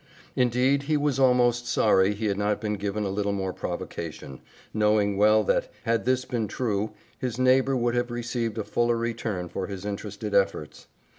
Indeed, he was almost sorry he had not been given a little more provocation, knowing well that, had this been true, his neighbor would have received a fuller return for his interested efforts.